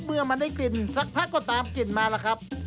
เมื่อมันได้กลิ่นสักพักก็ตามกลิ่นมาล่ะครับ